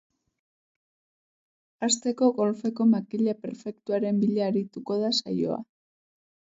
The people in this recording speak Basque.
Hasteko, golfeko makila perfektuaren bila arituko da saioa.